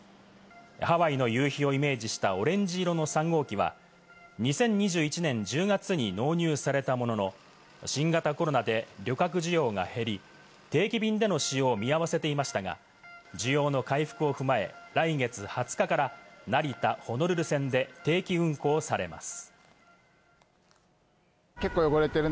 ハワイの夕日をイメージしたオレンジ色の３号機は２０２１年１０月に納入されたものの、新型コロナで旅客需要が減り、定期便での使用を見合わせていましたが、需要の回復を踏まえ、来月２０日から成田−ホノルル線で定期運行されます。